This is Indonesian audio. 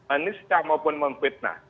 anisca maupun memfitnah